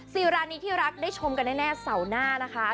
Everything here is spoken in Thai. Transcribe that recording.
ซีรานีที่รักได้ชมกันแน่เสาหน้านะคะ